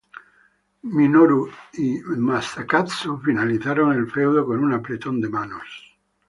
Minoru y Masakatsu finalizaron el feudo con un apretón de manos.